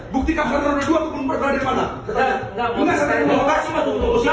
bukti kapal tersebut belum berada di mana